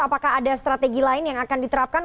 apakah ada strategi lain yang akan diterapkan